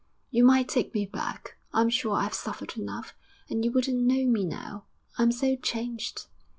You might take me back; I'm sure I've suffered enough, and you wouldn't know me now, I'm so changed.